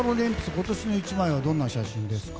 今年の１枚はどんな写真ですか？